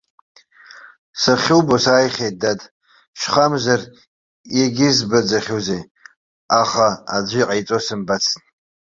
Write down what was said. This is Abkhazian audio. Сахьубо сааихьеит, дад, шьхамзар иагьызбаӡахьоузеи, аха аӡәы иҟаиҵо сымбацт.